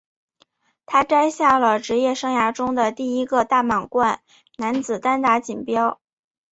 他摘下了职业生涯中的第一个大满贯男子单打锦标。